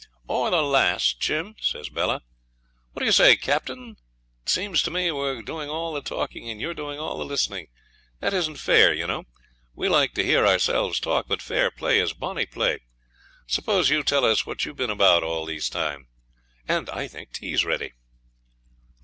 'Or the last, Jim,' says Bella. 'What do you say, Captain? It seems to me we're doing all the talking, and you're doing all the listening. That isn't fair, you know. We like to hear ourselves talk, but fair play is bonny play. Suppose you tell us what you've been about all this time. I think tea's ready.'